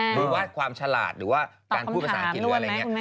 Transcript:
หรือว่าความฉลาดหรือว่าการพูดภาษาอังกฤษหรืออะไรอย่างนี้